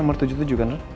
nomor tujuh puluh tujuh kan